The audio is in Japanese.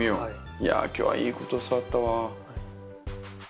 いや今日はいいこと教わったわ。